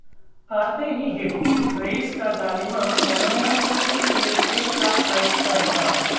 आते ही हिट 'रईस' का 'जालिमा', बनाया सबसे तेज एक लाख लाइक्स का रिकॉर्ड